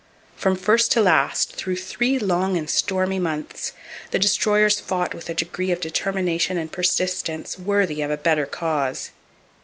From first to last, through three long and stormy months, the Destroyers fought with a degree of determination and persistence worthy of a better cause.